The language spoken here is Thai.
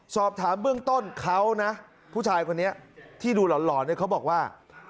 สอบถามเบื้องต้นเขานะผู้ชายคนนี้ที่ดูหล่อนเขาบอกว่า